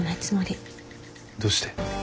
どうして？